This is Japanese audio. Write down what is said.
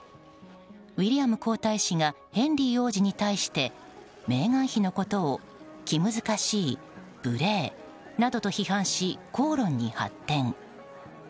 ウィリアム皇太子がヘンリー王子に対してメーガン妃のことを気難しい、無礼などと批判し口論に発展。